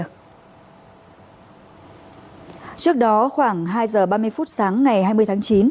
trước đó khoảng hai giờ ba mươi phút sáng ngày hai mươi tháng chín